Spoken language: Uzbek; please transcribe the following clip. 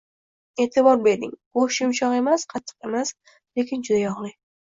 E'tibor bering, go'sht yumshoq emas, qattiq emas, lekin juda yog'li